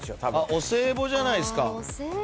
お歳暮じゃないっすか？